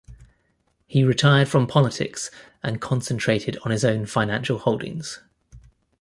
He retired from politics and concentrated on his own financial holdings.